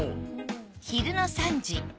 昼の３時。